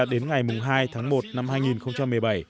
đến ngày hai tháng một năm hai nghìn một mươi bảy